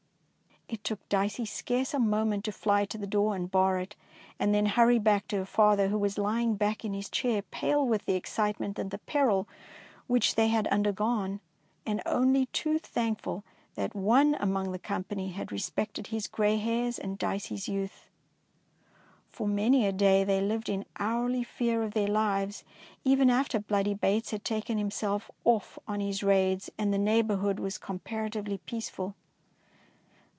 It took Dicey scarce a moment to fly to the door and bar it, and then hurry back to her father, who was lying back in his chair, pale with the excitement and the peril which they had under gone, and only too thankful that one among the company had respected his grey hairs and Dicey's youth. For many a day they lived in hourly fear of their lives, even after Bloody Bates had taken himself off on his raids 262 DICEY LANGSTON and the neighbourhood was compara tively peaceful.